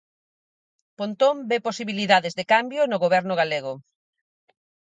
Pontón ve posibilidades de cambio no goberno galego.